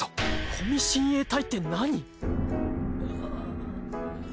古見親衛隊って何！？